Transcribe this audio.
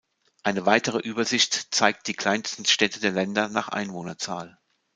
Eine weitere Übersicht zeigt die kleinsten Städte der Länder nach Einwohnerzahl.